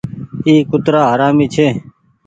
اي ڪُترآ حرامي ڇي